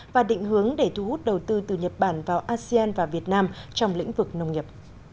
và định hướng để thu hút đầu tư từ nhật bản vào asean và việt nam trong lĩnh vực nông nghiệp